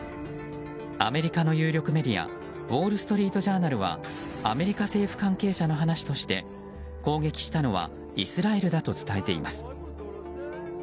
アメリカの有力メディアウォール・ストリート・ジャーナルはアメリカ政府関係者の話として攻撃したのはイスラエルだと伝えています。